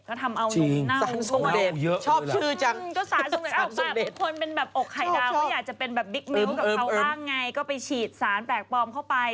ก็ทำเอานุ่งน่าวพวกมันเนี่ยชอบชื่อจังสารสงเดะออกไข่ดาวก็อยากจะเป็นแบบบิ๊กนิ้วกับเขาบ้างไงก็ไปฉีดสารแปลกปลอมเข้าไป